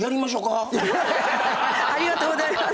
ありがとうございます。